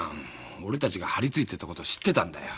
俺たちが張りついてたこと知ってたんだよ。